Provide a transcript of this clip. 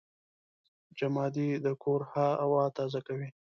جمادې د کور هوا تازه کوي.